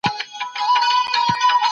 فابریکې څنګه د تولید سیستم اصلاح کوي؟